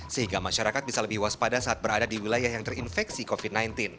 sehingga masyarakat bisa lebih waspada saat berada di wilayah yang terinfeksi covid sembilan belas